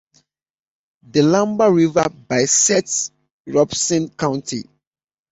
The Lumber River bisects Robeson County.